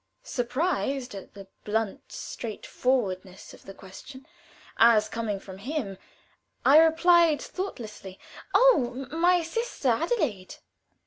Surprised at the blunt straightforwardness of the question, as coming from him, I replied thoughtlessly, "Oh, my sister Adelaide."